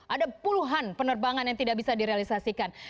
ada puluhan penerbangan yang tidak bisa direalisasikan